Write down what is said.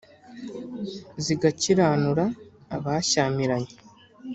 zigakiranura abashyamiranye